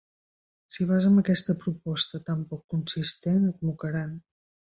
Si hi vas amb aquesta proposta tan poc consistent, et mocaran.